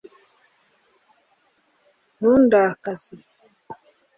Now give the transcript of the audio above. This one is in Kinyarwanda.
ntundakaze